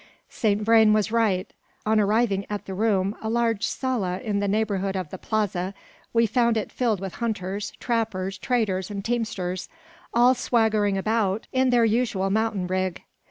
Saint Vrain was right. On arriving at the room, a large sala in the neighbourhood of the Plaza, we found it filled with hunters, trappers, traders, and teamsters, all swaggering about in their usual mountain rig.